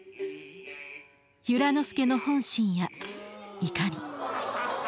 由良之助の本心やいかに。